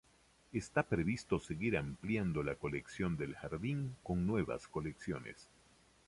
Está previsto seguir ampliando la colección del jardín, con nuevas colecciones.